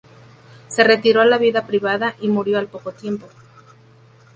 Se retiró a la vida privada y murió al poco tiempo.